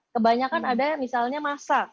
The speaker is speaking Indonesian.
kebanyakan ada misalnya masak